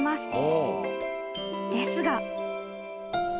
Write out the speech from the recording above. ［ですが］